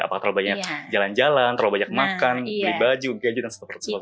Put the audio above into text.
apakah terlalu banyak jalan jalan terlalu banyak makan beli baju gadget dan sebagainya